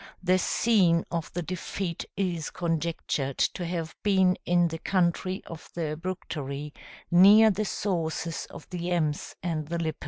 The scene of the defeat is conjectured to have been in the country of the Bructeri, near the sources of the Ems and the Lippe.